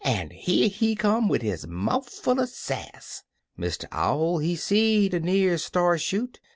An' here he come wid his mouf full ersass." Mr. Owl, he seed a n'er star shoot.